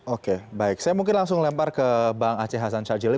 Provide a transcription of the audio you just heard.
oke baik saya mungkin langsung lempar ke bang aceh hasan shajili